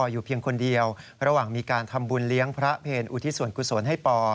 อยู่เพียงคนเดียวระหว่างมีการทำบุญเลี้ยงพระเพลอุทิศส่วนกุศลให้ปอ